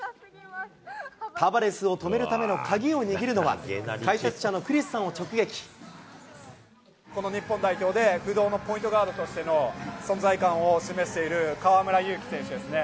タバレスを止めるための鍵を握るのは、この日本代表で、不動のポイントガードとしての存在感を示している河村勇輝選手ですね。